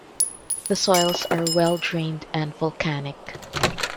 The soils are well drained and volcanic.